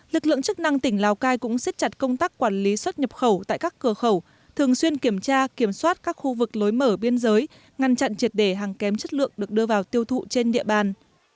lực lượng chức năng tỉnh lào cai cũng xếp chặt công tác quản lý xuất nhập khẩu tại các cửa khẩu thường xuyên kiểm tra kiểm soát các khu vực lối mở biên giới ngăn chặn triệt để hàng kém chất lượng được đưa vào tiêu thụ trên địa bàn